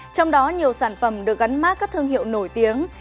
trong đó nhiều sản phẩm được gắn mát các thương hiệu nổi tiếng